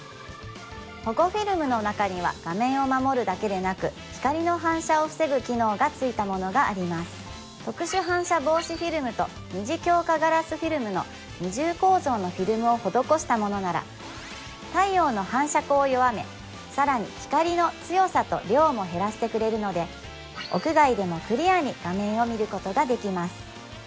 保護フィルムの中には画面を守るだけでなく光の反射を防ぐ機能が付いたものがありますの二重構造のフィルムを施したものなら太陽の反射光を弱めさらに光の強さと量も減らしてくれるので屋外でもクリアに画面を見ることができます